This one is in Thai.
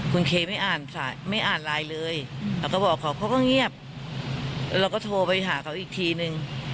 คุณเคไม่อ่านไลน์เลยแล้วก็บอกเขาก็เงียบแล้วก็โทรไปหาเขาอีกทีนึง